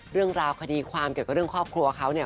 เรื่องราวคดีความเกี่ยวกับเรื่องครอบครัวเขาเนี่ย